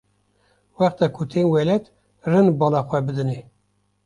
wexta ku tên welêt rind bala xwe bidinê.